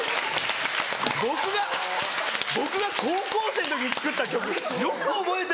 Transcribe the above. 僕が高校生の時に作った曲よく覚えてますね。